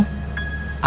hanya mengajak para warga